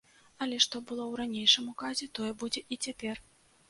Але, што было ў ранейшым указе, тое будзе і цяпер.